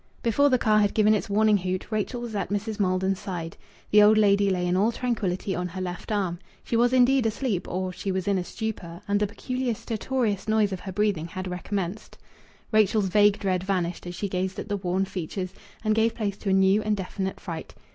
Before the car had given its warning hoot Rachel was at Mrs. Maldon's side. The old lady lay in all tranquillity on her left arm. She was indeed asleep, or she was in a stupor, and the peculiar stertorous noise of her breathing had recommenced. Rachel's vague dread vanished as she gazed at the worn features, and gave place to a new and definite fright.